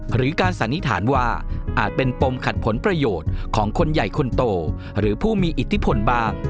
หรือการสันนิษฐานว่าอาจเป็นปมขัดผลประโยชน์ของคนใหญ่คนโตหรือผู้มีอิทธิพลบ้าง